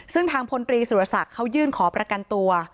ซึ่งทางพลตรีสุรศักดิ์เขายื่นขอประกันตัว